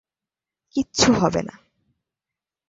কিচ্ছু হবে না।